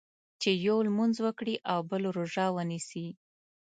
چې یو لمونځ وکړي او بل روژه ونیسي.